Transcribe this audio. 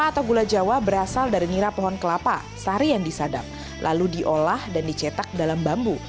atau gula jawa berasal dari nira pohon kelapa sari yang disadap lalu diolah dan dicetak dalam bambu